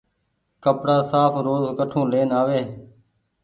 ڪپڙآ ساڦ روز ڪٺو لين آوي۔